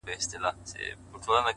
خو زه ـ